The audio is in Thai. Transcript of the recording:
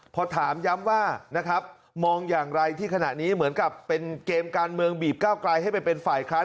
พอถามย้ำว่านะครับมองอย่างไรที่ขณะนี้เหมือนกับเป็นเกมการเมืองบีบก้าวไกลให้ไปเป็นฝ่ายค้าน